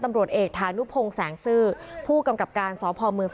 มีกล้วยติดอยู่ใต้ท้องเดี๋ยวพี่ขอบคุณ